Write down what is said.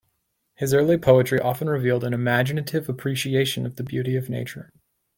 His early poetry often revealed an imaginative appreciation of the beauty of nature.